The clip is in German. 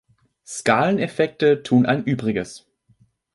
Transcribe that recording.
Skaleneffekte tun ein Übriges.